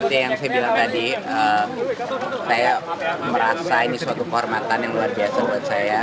seperti yang saya bilang tadi saya merasa ini suatu kehormatan yang luar biasa buat saya